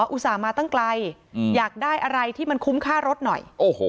อุตส่าห์มาตั้งไกลอยากได้อะไรที่มันคุ้มค่ารถหน่อย